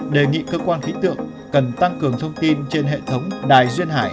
đề nghị cơ quan khí tượng cần tăng cường thông tin trên hệ thống đài duyên hải